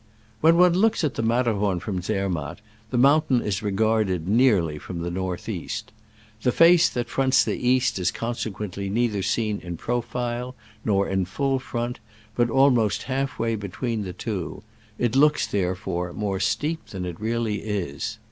When one looks at the Matterhorn from Zermatt, the mountain is regarded (nearly) from the north east. The face that fronts the east is consequently neith er seen in profile nor in full front, but almost halfway between the two: it looks, therefore, more steep than it really is.